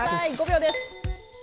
５秒です。